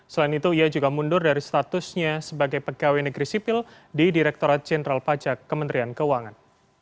selain itu ia juga mundur dari statusnya sebagai pegawai negeri sipil di direkturat jenderal pajak kementerian keuangan